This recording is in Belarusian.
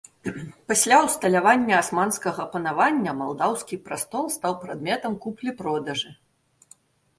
Пасля ўсталявання асманскага панавання малдаўскі прастол стаў прадметам куплі-продажы.